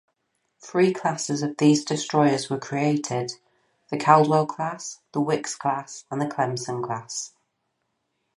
Three classes of these Destroyers were created, the Caldwell-Class, the Wickes-Class, and the Clemson-Class.